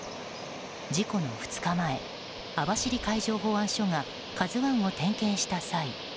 事故の２日前、網走海上保安署が「ＫＡＺＵ１」を点検した際